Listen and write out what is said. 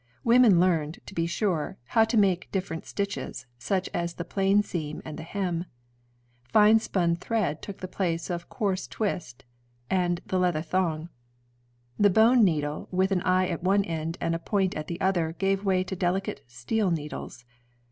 Women learned, to be sure, how to make different stitches, such as the plain seam and the hem. Fine spun thread took the place of coarse twist and the leather thong. The bone needle with an eye at one end and a point at the other gave way to delicate steel needles.